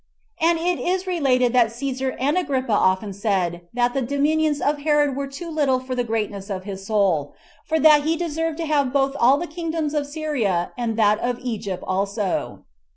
And it is related that Cæsar and Agrippa often said, that the dominions of Herod were too little for the greatness of his soul; for that he deserved to have both all the kingdom of Syria, and that of Egypt also.